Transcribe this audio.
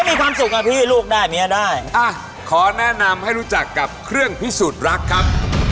มีความสุขอ่ะพี่ลูกได้เมียได้อ่ะขอแนะนำให้รู้จักกับเครื่องพิสูจน์รักครับ